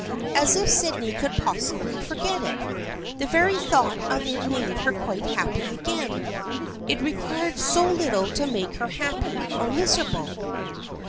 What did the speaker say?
As if Sydney could possibly forget it ! The very thought of it made her quite happy again. It required so little to make her happy or misera ble.